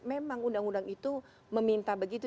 memang undang undang itu meminta begitu